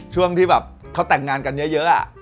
ช่วงที่แบบเขาแต่งงานกันเยอะ